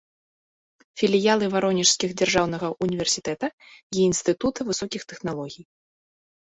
Філіялы варонежскіх дзяржаўнага ўніверсітэта і інстытута высокіх тэхналогій.